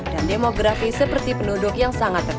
dan demografis seperti penduduk yang sangat terpencar